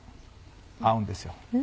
合うんですよ。